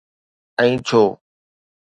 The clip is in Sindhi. ۽ ڇو؟